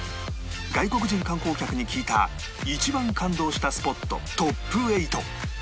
外国人観光客に聞いた一番感動したスポットトップ８